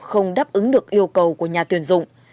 không đáp ứng được yêu cầu của nhà tuyển dụng